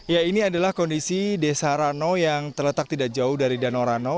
ya ini adalah kondisi desa rano yang terletak tidak jauh dari danau rano